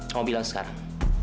kamu bilang sekarang